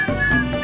gak ada apa apa